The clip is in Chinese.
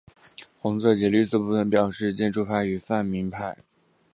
红色及绿色分别表示建制派及泛民主派。